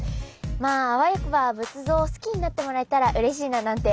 あわよくば仏像を好きになってもらえたらうれしいななんて